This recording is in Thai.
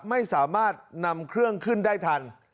ไม่สามารถนำเครื่องขึ้นได้ทัน